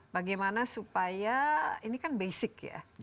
bagaimana supaya ini kan basic ya